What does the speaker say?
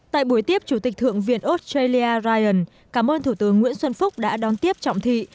tại buổi tiếp chủ tịch thượng viện australia ryan cảm ơn thủ tướng nguyễn xuân phúc đã đón tiếp trọng thị